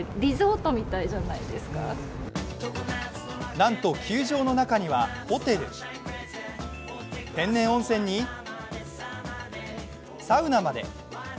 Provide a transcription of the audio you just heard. なんと球場の中にはホテル、天然温泉にサウナまで。